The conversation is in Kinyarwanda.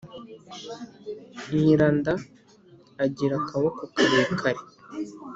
nyiranda agira akaboko karekare!